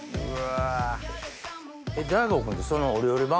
うわ！